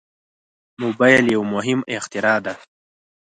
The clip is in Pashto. موبایل یو مهم اختراع ده.